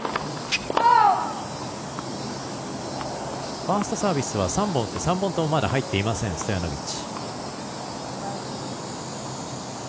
ファーストサービスは３本ともまだ入っていませんストヤノビッチ。